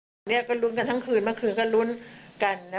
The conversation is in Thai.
ตอนนี้ก็ลุ้นกันทั้งคืนเมื่อคืนก็ลุ้นกัน